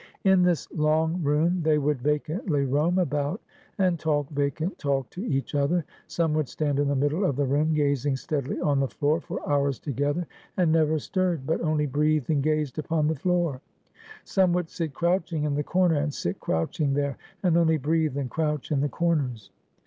In this long room they would vacantly roam about, and talk vacant talk to each other. Some would stand in the middle of the room gazing steadily on the floor for hours together, and never stirred, but only breathed and gazed upon the floor. Some would sit crouching in the corner, and sit crouching there, and only breathe and crouch in the corners.